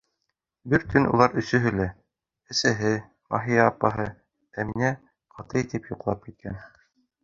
Бер төн улар өсөһө лә: әсәһе, Маһия апаһы, Әминә ҡаты итеп йоҡлап киткән.